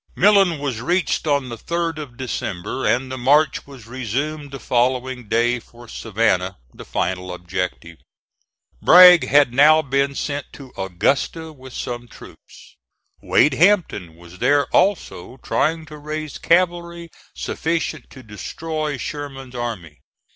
Millen was reached on the 3d of December, and the march was resumed the following day for Savannah, the final objective. Bragg had now been sent to Augusta with some troops. Wade Hampton was there also trying to raise cavalry sufficient to destroy Sherman's army.